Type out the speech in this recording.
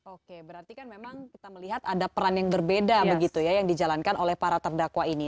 oke berarti kan memang kita melihat ada peran yang berbeda begitu ya yang dijalankan oleh para terdakwa ini